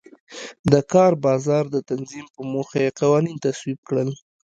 د کار بازار د تنظیم په موخه یې قوانین تصویب کړل.